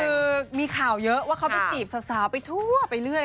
คือมีข่าวเยอะว่าเขาไปจีบสาวไปทั่วไปเรื่อย